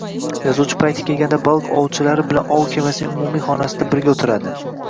Yozuvchi payti kelganda baliq ovchilari bilan ov kemasining umumiy xonasida birga oʻtiradi